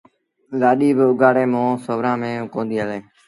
لآڏي بآ اُگھآڙي مݩهݩ سُورآݩ ميݩ ڪونديٚ هلي